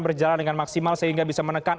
berjalan dengan maksimal sehingga bisa menekan